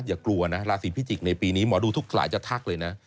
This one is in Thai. อย่ากลัวนะราศีพิจิกษ์ในปีนี้หมอดูทุกหลายจะทักเลยนะ